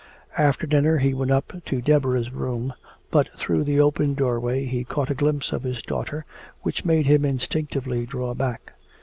After dinner he went up to Deborah's room, but through the open doorway he caught a glimpse of his daughter which made him instinctively draw back.